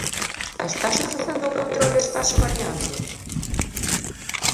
¿Estase facendo o control e estase avaliando?